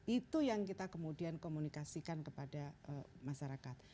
itu yang kita kemudian komunikasikan kepada masyarakat